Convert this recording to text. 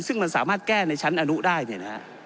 ซึ่งมันสามารถแก้ในชั้นอนุได้เนี่ยนะฮะ